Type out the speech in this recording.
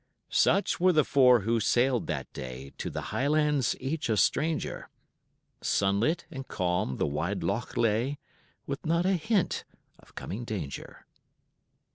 Such were the four who sailed that day, To the Highlands each a stranger; Sunlit and calm the wide loch lay, With not a hint of coming danger.